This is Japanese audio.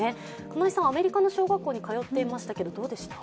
金井さん、アメリカの小学校に通っていましたが、どうでした？